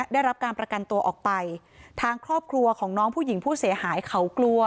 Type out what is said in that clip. ได้รับการประกันตัวออกไปทางครอบครัวของน้องผู้หญิงผู้เสียหายเขากลัว